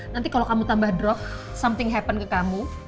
nanti kalau kamu tambah drop something happen ke kamu